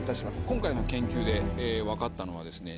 今回の研究で分かったのはですね。